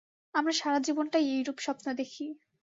আমরা সারা জীবনটাই এইরূপ স্বপ্ন দেখি।